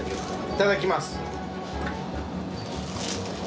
いただきます。